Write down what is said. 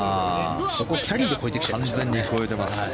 そこをキャリーで越えてきちゃいましたね。